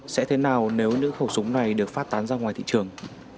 sẽ thế nào nếu những khẩu súng này được phát tán ra ngoài thị trường